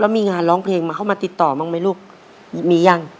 มีงานร้องเพลงมาเข้ามาติดต่อบ้างไหมลูกมียัง